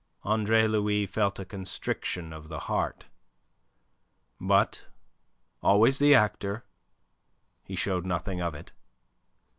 Andre Louis felt a constriction of the heart. But always the actor he showed nothing of it.